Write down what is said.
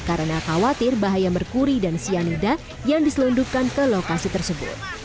karena khawatir bahaya merkuri dan cyanida yang diselundupkan ke lokasi tersebut